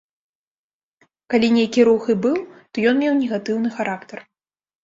Калі нейкі рух і быў, то ён меў негатыўны характар.